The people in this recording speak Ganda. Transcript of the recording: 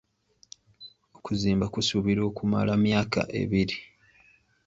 Okuzimba kusuubirwa okumala myaka ebiri.